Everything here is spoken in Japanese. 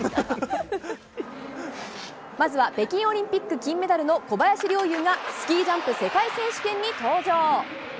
まずは北京オリンピック金メダルの小林陵侑が、スキージャンプ世界選手権に登場。